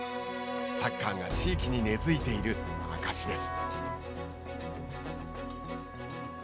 サッカーが地域に根づいている証しです。